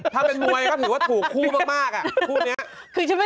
ถ้าเป็นมวยก็ถือว่าถูกคู่มากอ่ะคู่นี้